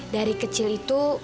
dari kecil itu